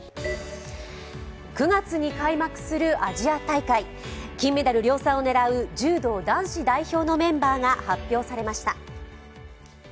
９月に開幕するアジア大会金メダル量産を狙う柔道男子代表のメンバーが発表されました。